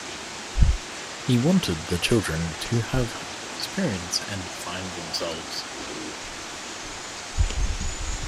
He wanted the children to have experience and to "find themselves".